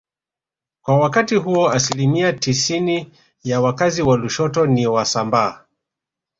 Kwa wakati huo asilimia tisini ya wakazi wa Lushoto ni Wasambaa